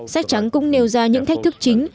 sách trắng cũng nêu ra những thách thức chính